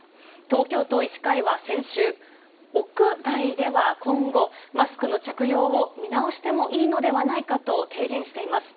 東京都医師会は先週、屋外では今後、マスクの着用を見直してもいいのではないかと提言しています。